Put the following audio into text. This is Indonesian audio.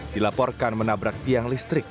dilaporkan menabrak tian listrik